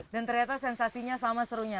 dan ternyata sensasinya sama serunya